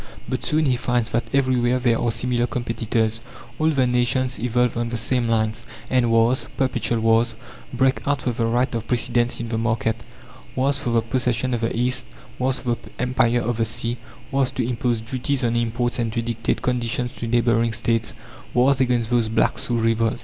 But soon he finds that everywhere there are similar competitors. All the nations evolve on the same lines, and wars, perpetual wars, break out for the right of precedence in the market. Wars for the possession of the East, wars for the empire of the sea, wars to impose duties on imports and to dictate conditions to neighbouring states; wars against those "blacks" who revolt!